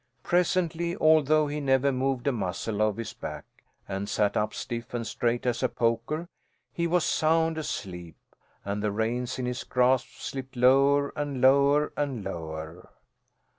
Presently, although he never moved a muscle of his back and sat up stiff and straight as a poker, he was sound asleep, and the reins in his grasp slipped lower and lower and lower.